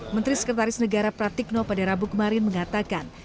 menteri sekretaris negara pratikno pada rabu kemarin mengatakan